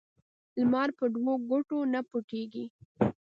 لمر په دوه ګوتو نه پټیږي